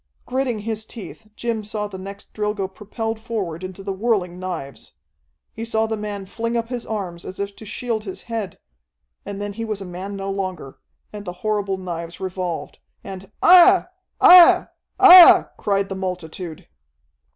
Gritting his teeth, Jim saw the next Drilgo propelled forward into the whirling knives. He saw the man fling up his arms, as if to shield his head and then he was a man no longer, and the horrible knives revolved, and "Aiah! Aiah! Aiah!" cried the multitude.